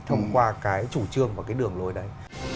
thông qua cái chủ trương và cái đường lối đấy